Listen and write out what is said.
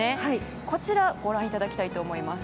こちらをご覧いただきたいと思います。